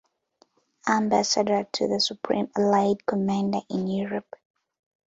Ambassador to the Supreme Allied Commander in Europe.